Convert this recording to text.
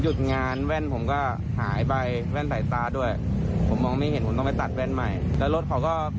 คุณสายฟ้าบทสายของเขาก็ได้รับความเสียหายครับ